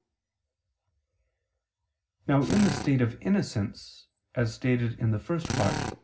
Now, in the state of innocence, as stated in the First Part (Q.